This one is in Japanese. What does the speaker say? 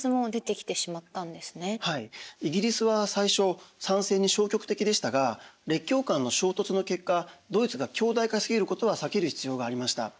イギリスは最初参戦に消極的でしたが列強間の衝突の結果ドイツが強大化し過ぎることは避ける必要がありました。